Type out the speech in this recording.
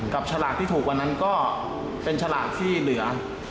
ฉลากที่ถูกวันนั้นก็เป็นฉลากที่เหลือ